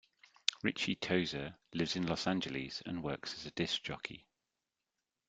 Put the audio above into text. Richie Tozier lives in Los Angeles and works as a disc jockey.